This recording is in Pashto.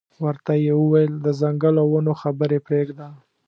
ورته یې وویل د ځنګل او ونو خبرې پرېږده.